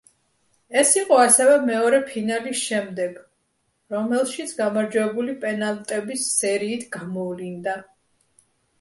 ეს იყო ასევე მეორე ფინალი შემდეგ, რომელშიც გამარჯვებული პენალტების სერიით გამოვლინდა.